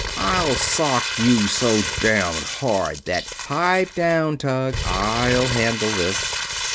"I'll sock you so damned hard that...." "Pipe down, Tug, I'll handle this."